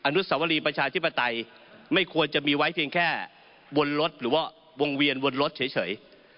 อนุสวรีประชาธิปไตยไม่ควรจะมีไว้เพียงแค่วนรถหรือว่าวงเวียนวนรถเฉย